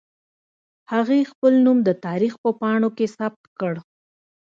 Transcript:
هغې خپل نوم د تاریخ په پاڼو کې ثبت کړ